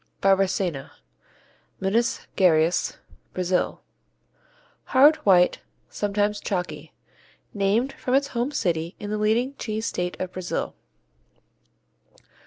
Barbacena Minas Geraes, Brazil Hard, white, sometimes chalky. Named from its home city in the leading cheese state of Brazil.